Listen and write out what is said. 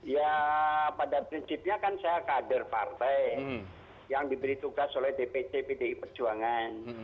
ya pada prinsipnya kan saya kader partai yang diberi tugas oleh dpc pdi perjuangan